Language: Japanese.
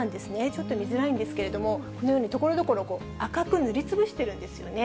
ちょっと見づらいんですけども、このようにところどころ、赤く塗りつぶしてるんですよね。